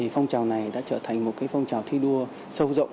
phong trào này đã trở thành một phong trào thi đua sâu rộng